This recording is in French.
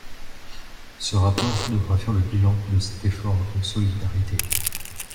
Ce rapport devra faire le bilan de cet effort de solidarité.